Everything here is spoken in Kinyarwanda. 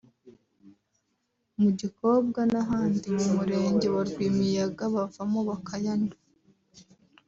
mu Gikobwa n’ahandi mu Murenge wa Rwimiyaga bavoma bakayanywa